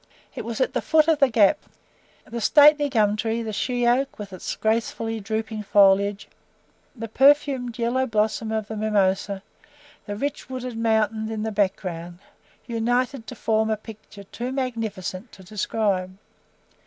It was at the foot of the Gap. The stately gum tree, the shea oak, with its gracefully drooping foliage, the perfumed yellow blossom of the mimosa, the richly wooded mountain in the background, united to form a picture too magnificent to describe.